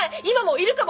いるかも！